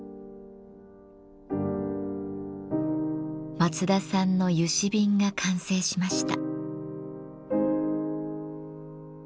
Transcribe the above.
松田さんの嘉瓶が完成しました。